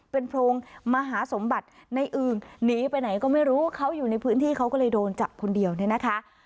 เป็นโพรงมหาสมบัติในอึงหนีไปไหนก็ไม่รู้เขาอยู่ในพื้นที่เขาก็เลยโดนจับคนเดียวเนี่ยนะคะ